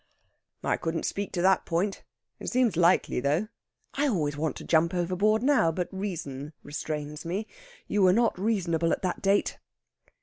"I couldn't speak to that point. It seems likely, though. I always want to jump overboard now, but reason restrains me. You were not reasonable at that date."